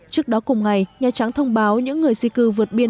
trước đó cùng ngày nhà trắng thông báo những người di cư vượt biên